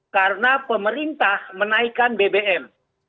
karena pemerintah menaikan bbm